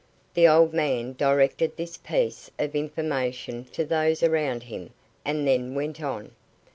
The old man directed this piece of information to those around him, and then went on.